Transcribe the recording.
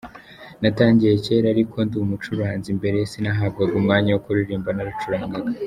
Natangiye kera ariko ndi umucuranzi, mbere sinahabwaga umwanya wo kuririmba naracurangaga.